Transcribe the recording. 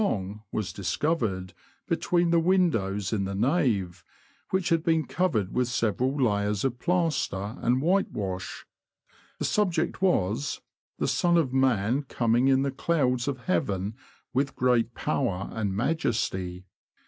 long, was discovered, between the windows in the nave, which had been covered with several layers of plaster and whitewash The subject was, ''The Son of Man coming in the clouds of Heaven with great power and majesty."